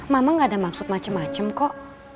mama gak ada maksud macem macem kok